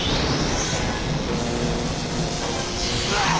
うわっ！